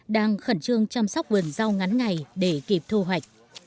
đang khẩn trương chăm sóc vườn rau ngắn ngày để kịp thu hoạch